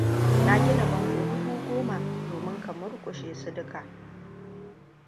Na gina bango dubu goma, domin ka murkushe su duka.